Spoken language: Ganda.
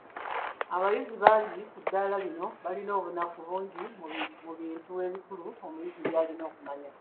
Abayizi bangi ku ddaala lino balina obunafu bungi mu bintu ebikulu omuyizi by’alina okumanya.